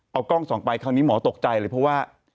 เอากล้องส่องไปคราวนี้หมอตกใจเลยเพราะว่า